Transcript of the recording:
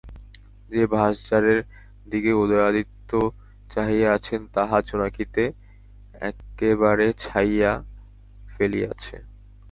যে বাঁশঝাড়ের দিকে উদয়াদিত্য চাহিয়া আছেন তাহা জোনাকিতে একেবারে ছাইয়া ফেলিয়াছে।